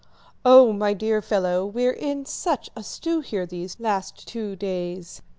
"Oh, my dear fellow, we're in such a stew here these last two days."